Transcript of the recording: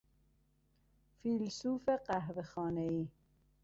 فیلسوف قهوهخانهای